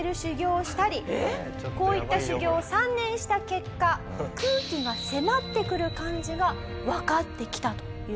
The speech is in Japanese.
こういった修行を３年した結果空気が迫ってくる感じがわかってきたという事なんです。